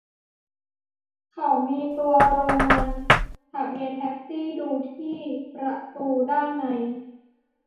เขามีตัวโรมัน ทะเบียนแท็กซี่ ดูที่ประตูด้านใน